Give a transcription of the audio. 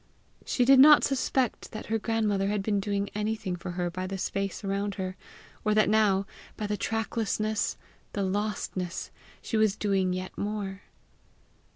She did not suspect that her grandmother had been doing anything for her by the space around her, or that now, by the tracklessness, the lostness, she was doing yet more.